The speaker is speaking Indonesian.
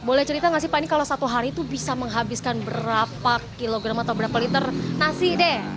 boleh cerita nggak sih pak ini kalau satu hari itu bisa menghabiskan berapa kilogram atau berapa liter nasi deh